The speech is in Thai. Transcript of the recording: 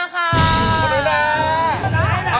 หนุนาหนุนา